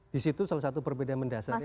disitu salah satu perbedaan mendasarnya